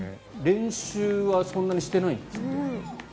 練習はそんなにしてないんですって。